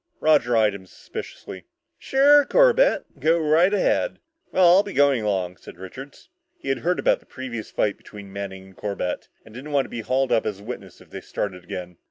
Roger eyed him suspiciously. "Sure, Corbett, go ahead." "Well, I'll be going along," said Richards. He had heard about the previous fight between Manning and Corbett and didn't want to be hauled up as a witness later if they started again.